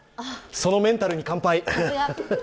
そのメンタルに乾杯。